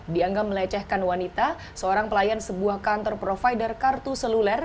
dianggap melecehkan wanita seorang pelayan sebuah kantor provider kartu seluler